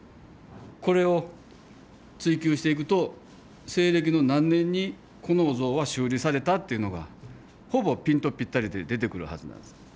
これを追求していくと西暦の何年にこのお像は修理されたっていうのがほぼピントぴったりで出てくるはずなんです。